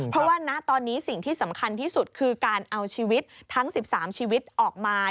เพราะว่าณตอนนี้สิ่งที่สำคัญที่สุดคือการเอาชีวิตทั้ง๑๓ชีวิตออกมา